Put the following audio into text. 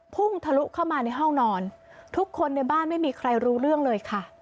พุ่งทะลุเข้ามาในห้องนอนทุกคนในบ้านไม่มีใครรู้เรื่องเลยค่ะ